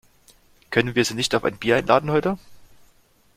Können wir sie nicht auf ein Bier einladen heute?